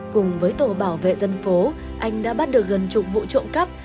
cùng với tổ bảo vệ dân phố anh đã bắt được gần chục vụ trộm cắp